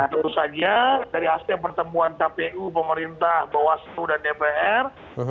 tentu saja dari aspek pertemuan kpu pemerintah bawaslu dan dpr